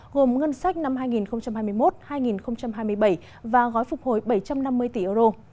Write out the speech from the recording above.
gồm ngân sách năm hai nghìn hai mươi một hai nghìn hai mươi bảy và gói phục hồi bảy trăm năm mươi tỷ euro